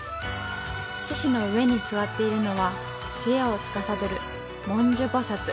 獅子の上に座っているのは知恵をつかさどる文殊菩薩。